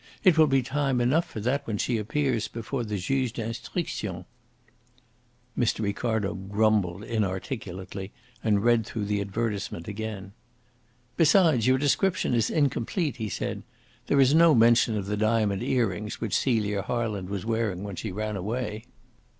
It will be time enough for that when she appears before the Juge d'Instruction." Mr. Ricardo grumbled inarticulately, and read through the advertisement again. "Besides, your description is incomplete," he said. "There is no mention of the diamond earrings which Celia Harland was wearing when she went away."